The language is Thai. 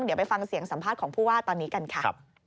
เดี๋ยวไปฟังเสียงสัมภาษณ์ของผู้ว่าตอนนี้กันค่ะ